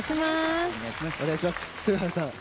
豊原さん